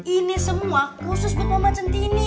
ini semua khusus buat muhammad centini